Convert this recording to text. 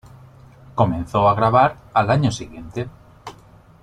Comenzó a grabar al año siguiente.